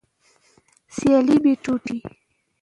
سیالي بیې ټیټوي.